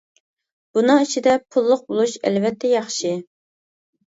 بۇنىڭ ئىچىدە پۇللۇق بولۇش ئەلۋەتتە ياخشى.